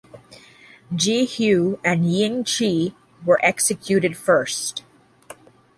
Jie Hu and Yin Che were executed first.